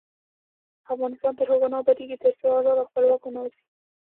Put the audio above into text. افغانستان تر هغو نه ابادیږي، ترڅو ازاد او خپلواک ونه اوسو.